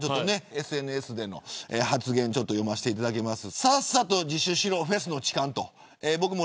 ＳＮＳでの発言読ませていただきます。